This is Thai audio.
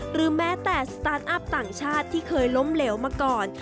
หรือแม้แต่สตาร์ทอัพต่างชาติที่เคยล้มเหลวมาก่อน